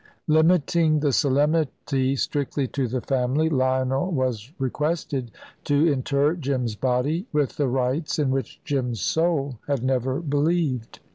Limiting the solemnity strictly to the family, Lionel was requested to inter Jim's body, with the rites in which Jim's soul had never believed.